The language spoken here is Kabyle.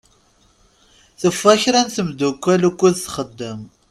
Tufa kra n temddukal ukkud txeddem.